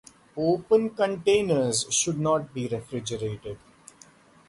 Open containers should not be refrigerated.